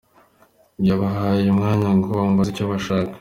Yabahaye umwanya ngo bamubaze icyo bashaka.